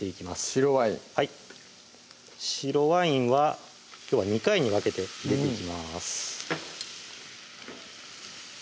白ワイン白ワインはきょうは２回に分けて入れていきます